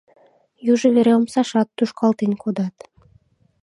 Южо вере омсашат тушкалтен кодат.